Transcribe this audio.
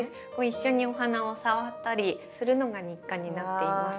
一緒にお花を触ったりするのが日課になっています。